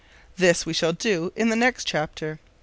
This we shall do in the next chapter.